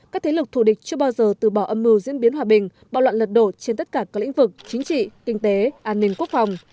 các thế lực thù địch chưa bao giờ từ bỏ âm mưu diễn biến hòa bình bạo loạn lật đổ trên tất cả các lĩnh vực chính trị kinh tế an ninh quốc phòng